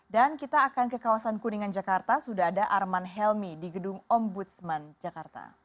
dan kita akan ke kawasan kuningan jakarta sudah ada arman helmi di gedung ombudsman jakarta